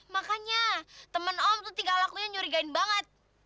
makanya temen allah tuh tinggal lakunya nyurigain banget